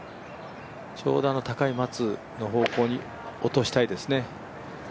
ちょうど高い松の方向に落としたいですね。